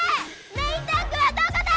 メインタンクはどこだ！